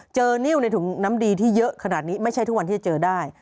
เจอนิ้วในถุงน้ำดีที่เยอะขนาดนี้ไม่ใช่ทุกวันที่จะเจอได้